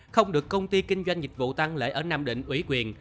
không được công ty kinh doanh dịch vụ tăng lễ ở nam định ủy quyền